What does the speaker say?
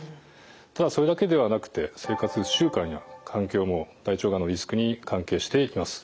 ただそれだけではなくて生活習慣や環境も大腸がんのリスクに関係していきます。